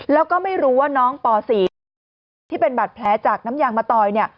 แล้วก็ไม่รู้ว่าน้องป๔ที่เป็นบาดแผลจากน้ำยางมะตอย